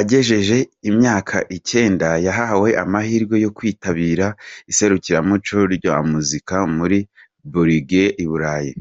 Agejeje imyaka icyenda, yahawe amahirwe yo kwitabira iserukiramuco rya muzika muri Bulgarie i Burayi.